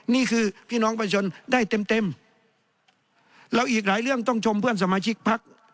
พี่น้องประชาชนได้เต็มเต็มแล้วอีกหลายเรื่องต้องชมเพื่อนสมาชิกพัก